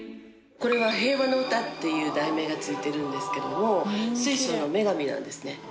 これは平和の詩っていう題名が付いてるんですけども水晶の女神なんですね。